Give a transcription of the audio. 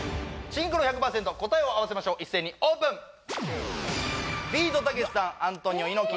シンクロ１００％答えを合わせましょう一斉にオープン！